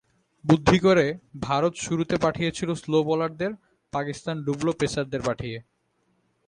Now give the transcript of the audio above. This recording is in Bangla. বুদ্ধি করে ভারত শুরুতে পাঠিয়েছিল স্লো বোলারদের, পাকিস্তান ডুবল পেসারদের পাঠিয়ে।